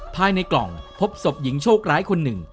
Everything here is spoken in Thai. ภายในกล่องพบศพหญิงโชคร้ายคนหนึ่ง